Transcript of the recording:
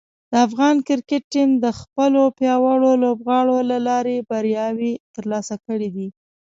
د افغان کرکټ ټیم د خپلو پیاوړو لوبغاړو له لارې بریاوې ترلاسه کړې دي.